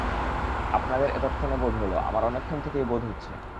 আপনাদের এতক্ষণে বোধ হল, আমার অনেকক্ষণ থেকেই বোধ হচ্ছে।